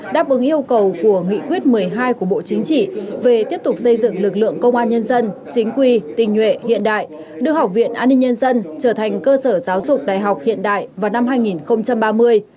đáp ứng yêu cầu của nghị quyết một mươi hai của bộ chính trị về tiếp tục xây dựng lực lượng công an nhân dân chính quy tình nhuệ hiện đại đưa học viện an ninh nhân dân trở thành cơ sở giáo dục đại học hiện đại vào năm hai nghìn ba mươi